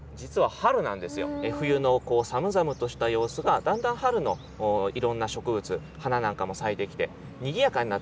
冬のこう寒々とした様子がだんだん春のいろんな植物花なんかも咲いてきてにぎやかになっていく。